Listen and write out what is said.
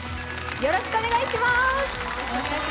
よろしくお願いします。